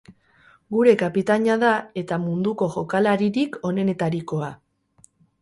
Gure kapitaina da eta munduko jokalaririk onenetarikoa.